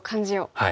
はい。